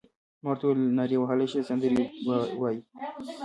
ما ورته وویل: نارې وهلای شې، سندرې وایې؟